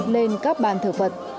lên các ban thờ phật